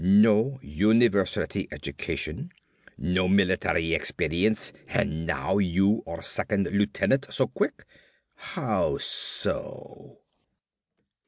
No university education, no military experience and now you are second lieutenant so quick. How so?"